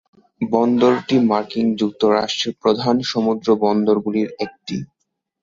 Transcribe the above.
বন্দরটি মার্কিন যুক্তরাষ্ট্রের প্রধান সমুদ্র বন্দর গুলির একটি।